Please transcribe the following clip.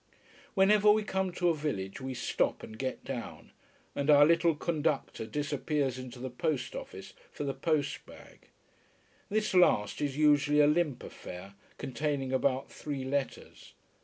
Whenever we come to a village we stop and get down, and our little conductor disappears into the post office for the post bag. This last is usually a limp affair, containing about three letters.